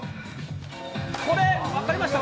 これ、分かりました？